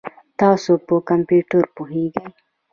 تاسو په کمپیوټر پوهیږئ؟